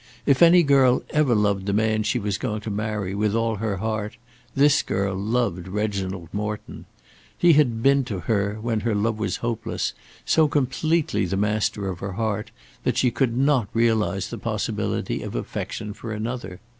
If any girl ever loved the man she was going to marry with all her heart, this girl loved Reginald Morton. He had been to her, when her love was hopeless, so completely the master of her heart that she could not realise the possibility of affection for another.